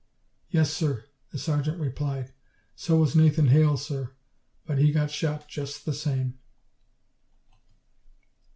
"Yes, sir," the sergeant replied. "So was Nathan Hale, sir but he got shot just the same."